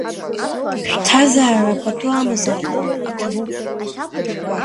Шәҭазаара пату амазааит, иҭабуп…